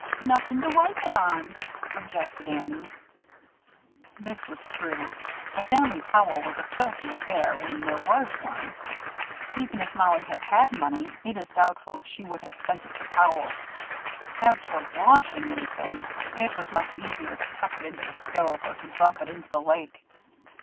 "Nuffin to wipe it on," objected Annie. This was true. The family towel was a filthy affair when there was one. Even if Mollie had had money, it is doubtful if she would have spent it for towels. As for washing anything, it was much easier to tuck it into the stove or to drop it into the lake.